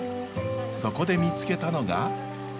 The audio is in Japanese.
そこで見つけたのが。